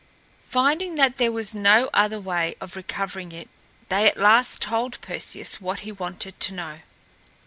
Finding that there was no other way of recovering it, they at last told Perseus what he wanted to know.